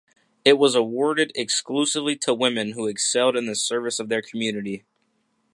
It was awarded exclusively to women who excelled in the service of their community.